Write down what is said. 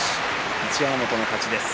一山本の勝ちです。